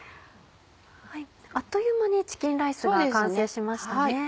あっという間にチキンライスが完成しましたね。